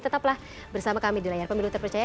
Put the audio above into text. tetaplah bersama kami di layar pemilu terpercaya